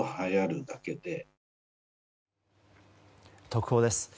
特報です。